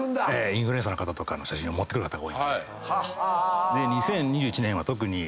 インフルエンサーの方とかの写真を持ってくる方が多いので。